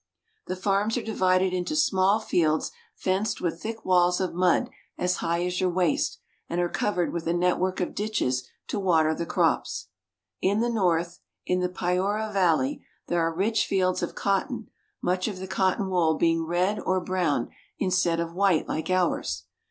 The farms are divided into small fields, fenced with thick walls of mud as high as your waist, and are covered with a network of ditches to water the crops. In the north, in the Piura valley, there are rich fields of cotton, much of the cotton wool being red or brown in stead of white like ours.